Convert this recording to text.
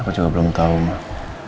aku juga belum tahu mbak